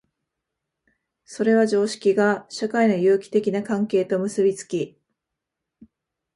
それは常識が社会の有機的な関係と結び付き、